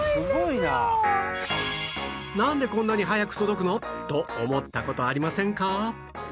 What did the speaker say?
なんでこんなに早く届くの？と思った事ありませんか？